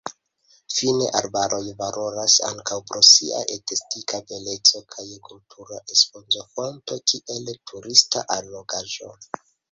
Fine arbaroj valoras ankaŭ pro sia estetika beleco kaj kultura enspezofonto kiel turista allogaĵo.